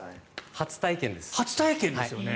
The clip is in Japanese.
初体験ですよね。